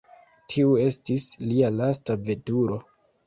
Tiu estis lia lasta veturo.